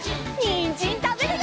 にんじんたべるよ！